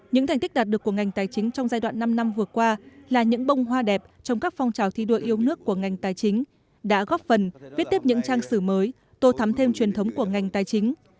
những thành tích đạt được của ngành tài chính trong giai đoạn năm năm vừa qua là những bông hoa đẹp trong các phong trào thi đua yêu nước của ngành tài chính đã góp phần viết tiếp những trang sử mới tô thắm thêm truyền thống của ngành tài chính